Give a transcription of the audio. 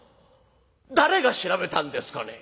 誰が調べたんですかね？」。